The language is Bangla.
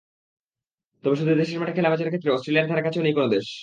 তবে শুধু দেশের মাঠে খেলা ম্যাচের ক্ষেত্রে অস্ট্রেলিয়ার ধারেকাছেও নেই কোনো দেশ।